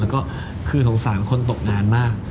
แล้วก็คือสงสารคนตกงานมาก